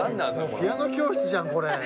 ピアノ教室じゃんこれ。